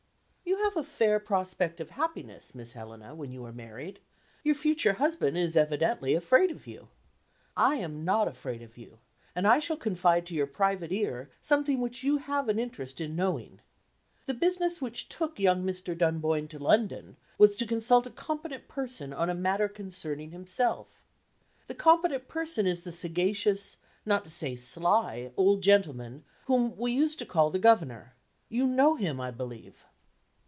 "You have a fair prospect of happiness, Miss Helena, when you are married your future husband is evidently afraid of you. I am not afraid of you; and I shall confide to your private ear something which you have an interest in knowing. The business which took young Mr. Dunboyne to London was to consult a competent person, on a matter concerning himself. The competent person is the sagacious (not to say sly) old gentleman whom we used to call the Governor. You know him, I believe?"